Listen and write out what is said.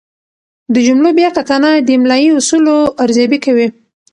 د جملو بیا کتنه د املايي اصولو ارزیابي کوي.